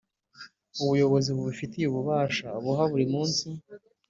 Ubuyobozi bubifitiye ububasha buha buri munsi